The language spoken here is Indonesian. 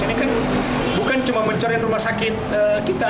ini kan bukan cuma mencari rumah sakit kita